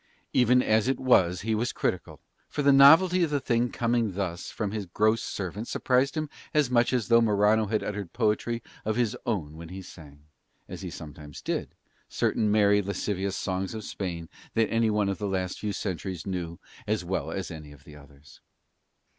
Even as it was he was critical, for the novelty of the thing coming thus from his gross servant surprised him as much as though Morano had uttered poetry of his own when he sang, as he sometimes did, certain merry lascivious songs of Spain that any one of the last few centuries knew as well as any of the others.